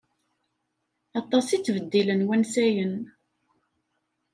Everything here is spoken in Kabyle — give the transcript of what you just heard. Aṭas i ttbeddilen wansayen.